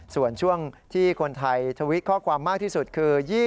ส่วนช่วงที่คนไทยทวิตข้อความมากที่สุดคือ